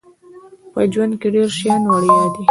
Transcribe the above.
په ژوند کې ډیر شیان وړيا دي